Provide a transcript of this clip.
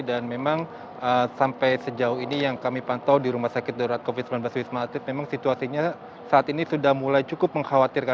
dan memang sampai sejauh ini yang kami pantau di rumah sakit darurat covid sembilan belas wisma atlet memang situasinya saat ini sudah mulai cukup mengkhawatirkan